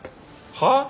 はあ？